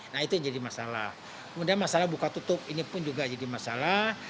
nah itu yang jadi masalah kemudian masalah buka tutup ini pun juga jadi masalah